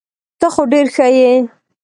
ته خو ډير ښه يي .